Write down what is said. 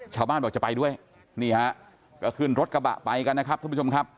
ชาวบ้านบอกจะไปด้วยนี่ฮะก็ขึ้นรถกระบะไปกันนะครับท่านผู้ชมครับ